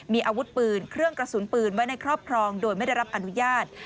มีอาวุธปืนเครื่องกระสุนปืนไว้ในครอบครองโดยไม่ได้รับอนุญาต